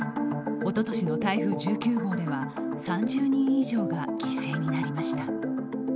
おととしの台風１９号では３０人以上が犠牲になりました。